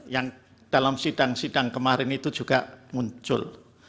yang dalam sidang sidang kemarin itu juga muncul